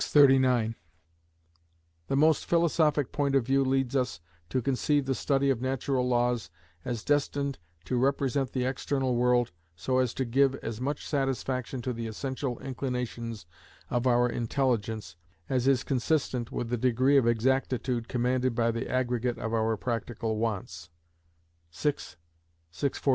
639). "The most philosophic point of view leads us to conceive the study of natural laws as destined to represent the external world so as to give as much satisfaction to the essential inclinations of our intelligence, as is consistent with the degree of exactitude commanded by the aggregate of our practical wants" (vi. 642).